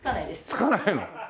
付かないの。